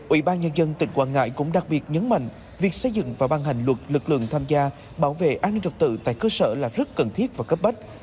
ubnd tỉnh quảng ngãi cũng đặc biệt nhấn mạnh việc xây dựng và ban hành luật lực lượng tham gia bảo vệ an ninh trật tự tại cơ sở là rất cần thiết và cấp bách